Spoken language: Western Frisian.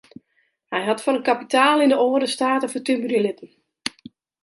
Hy hat foar in kapitaal yn de âlde state fertimmerje litten.